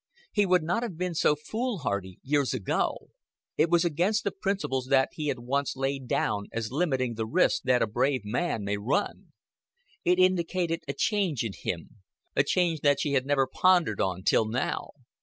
He would not have been so foolhardy years ago. It was against the principles that he had once laid down as limiting the risks that a brave man may run. It indicated a change in him, a change that she had never pondered on till now.